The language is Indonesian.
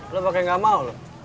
lo pake gak mau loh